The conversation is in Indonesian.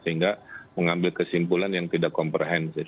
sehingga mengambil kesimpulan yang tidak komprehensif